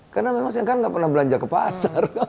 karena memang saya kan gak pernah belanja ke pasar